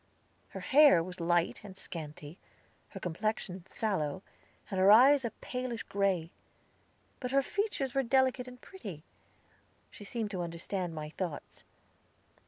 Her hair was light and scanty, her complexion sallow, and her eyes a palish gray; but her features were delicate and pretty. She seemed to understand my thoughts.